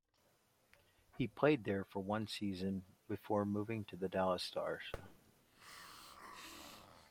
He played there for one season before moving to the Dallas Stars.